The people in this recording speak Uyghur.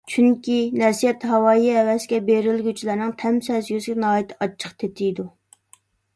چۈنكى، نەسىھەت ھاۋايى - ھەۋەسكە بېرىلگۈچىلەرنىڭ تەم سەزگۈسىگە ناھايىتى ئاچچىق تېتىيدۇ.